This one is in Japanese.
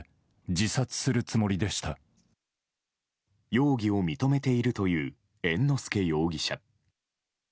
容疑を認めているという猿之助容疑者。